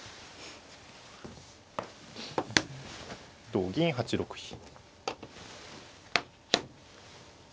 同銀８六飛。